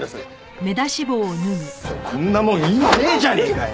クソッこんなもん意味ねえじゃねえかよ。